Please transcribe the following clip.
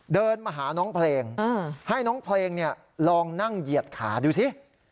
เดินมาหาน้องเพลงให้น้องเพลงลองนั่งเหยียดขาดูสิ